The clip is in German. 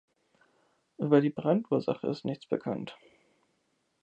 Über die Brandursache ist nichts bekannt.